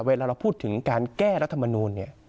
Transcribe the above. เวลาเราพูดถึงการแก้รัฐมนูลเนี่ย